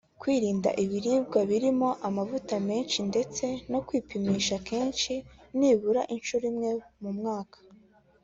kwirinda ibiribwa birimo amavuta menshi ndetse no kwipimisha kenshi nibura inshuro imwe mu mwaka